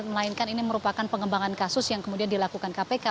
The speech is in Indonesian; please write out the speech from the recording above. melainkan ini merupakan pengembangan kasus yang kemudian dilakukan kpk